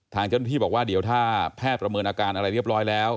ทางเจ้าหน้าที่บอกว่าเดี๋ยวถ้าแพทย์ประเมินอาการอะไรเรียบร้อยแล้ว